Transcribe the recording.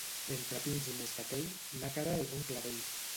Entre pins i moscatell, Nàquera és un clavell.